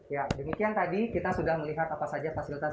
ya demikian tadi kita sudah melihat apa saja fasilitas